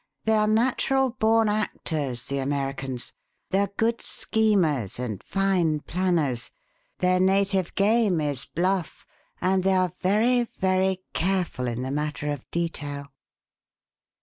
They are natural born actors, the Americans; they are good schemers and fine planners. Their native game is 'bluff,' and they are very, very careful in the matter of detail."